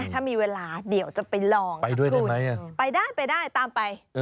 ถ้ามีเวลาเดี๋ยวจะไปลองค่ะคุณไปได้ไปได้ตามไป